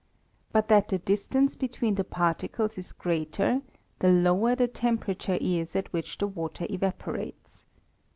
But that the dis< tance between the particles is greater the lower the temperature is at which the water evaporates.